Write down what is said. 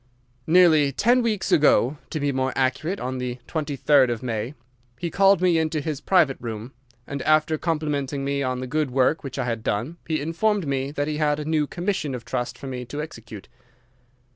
"Nearly ten weeks ago—to be more accurate, on the 23rd of May—he called me into his private room, and, after complimenting me on the good work which I had done, he informed me that he had a new commission of trust for me to execute.